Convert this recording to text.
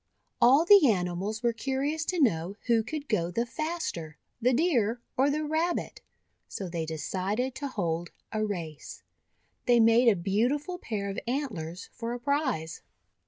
All the animals were curious to know who could go the faster, the Deer or the Rabbit, so they decided to hold a race. They made a beau tiful pair of antlers for a prize.